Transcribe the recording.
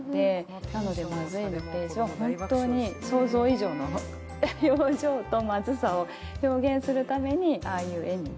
なので、まずいのページは想像以上の表情とまずさを表現するためにああいう絵に。